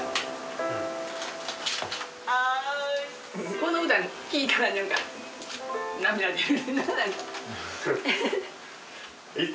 この歌聴いたら何か涙出る。